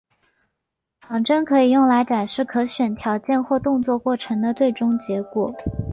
仿真可以用来展示可选条件或动作过程的最终结果。